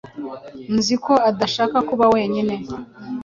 Nzi ko udashaka kuba wenyine.